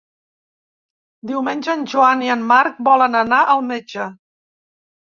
Diumenge en Joan i en Marc volen anar al metge.